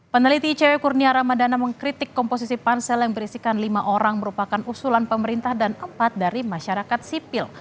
peneliti icw kurnia ramadana mengkritik komposisi pansel yang berisikan lima orang merupakan usulan pemerintah dan empat dari masyarakat sipil